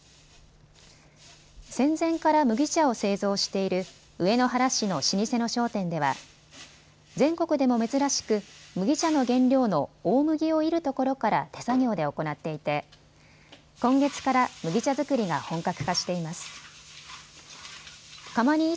戦前から麦茶を製造している上野原市の老舗の商店では全国でも珍しく麦茶の原料の大麦をいるところから手作業で行っていて今月から麦茶作りが本格化しています。